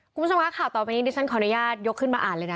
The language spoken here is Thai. คุณผู้ชมคะข่าวต่อไปนี้ดิฉันขออนุญาตยกขึ้นมาอ่านเลยนะ